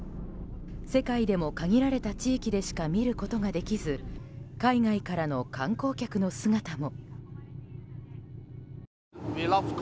世界でも限られた地域でしか見ることができず海外からの観光客の姿も。